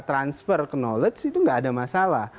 transfer knowledge itu nggak ada masalah